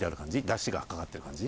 ダシがかかってる感じ？